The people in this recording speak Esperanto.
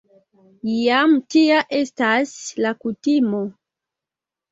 Jam tia estas la kutimo.